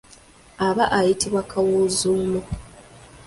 Aba ayitibwa Kawuuzuumo.